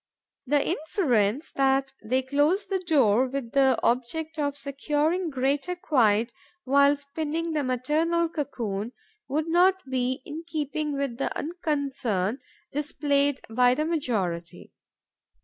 The inference that they close the door with the object of securing greater quiet while spinning the maternal cocoon would not be in keeping with the unconcern displayed by the majority.